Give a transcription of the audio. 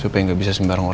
siapa apapun yang tersenggah